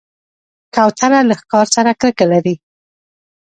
کوتره له ښکار سره کرکه لري.